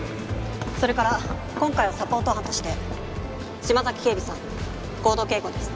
それから今回はサポート班として島崎警備さん合同警護です。